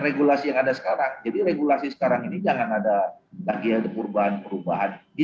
regulasi yang ada sekarang jadi regulasi sekarang ini jangan ada lagi ada perubahan perubahan